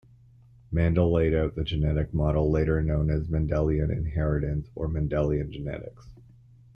Mendel laid out the genetic model later known as Mendelian inheritance or Mendelian genetics.